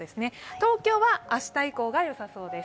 東京は明日以降がよさそうです。